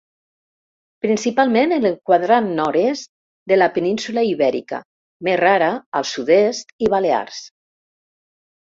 Principalment en el quadrant nord-est de la península Ibèrica -més rara al sud-est -i Balears.